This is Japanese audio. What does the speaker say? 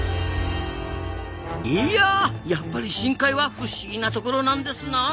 いややっぱり深海は不思議な所なんですなあ。